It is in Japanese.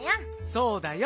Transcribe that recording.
そうだよ。